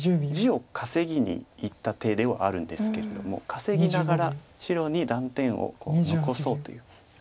地を稼ぎにいった手ではあるんですけれども稼ぎながら白に断点を残そうという。